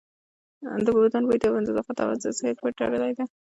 د بدن بوی د نظافت او حفظ الصحې پورې تړلی دی.